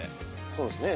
そうですね。